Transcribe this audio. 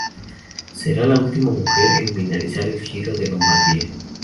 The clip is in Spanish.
Será la última mujer en finalizar el Giro de Lombardía.